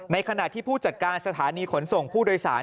ขณะที่ผู้จัดการสถานีขนส่งผู้โดยสาร